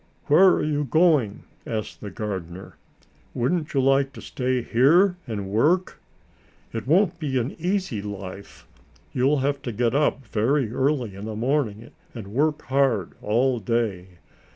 "Where are you going?" asked the gardener. "Wouldn't you like to stay here and work? It won't be an easy life. You'll have to get up very early in the morning and work hard all day.